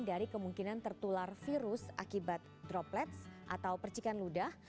dari kemungkinan tertular virus akibat droplets atau percikan ludah